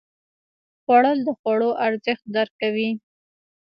خوړل د خوړو ارزښت درک کوي